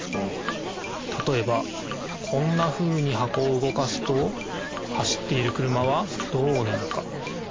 たとえばこんなふうに箱を動かすと走っている車はどうなるか？